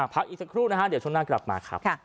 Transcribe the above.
พักอีกสักครู่นะฮะเดี๋ยวช่วงหน้ากลับมาครับ